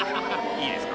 いいですか？